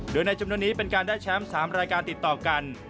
โดยในจำนวนนี้เป็นการได้แชมป์๓รายการติดต่อกัน